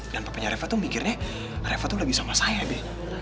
dan papenya reva tuh mikirnya reva tuh lagi sama saya be